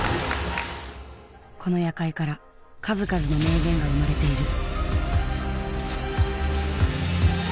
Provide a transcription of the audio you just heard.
この夜会から数々の名言が生まれている。